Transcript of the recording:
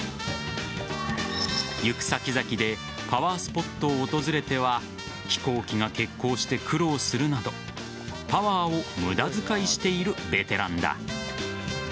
行く先々でパワースポットを訪れては飛行機が欠航して苦労するなどパワーを無駄遣いしているベテランだ。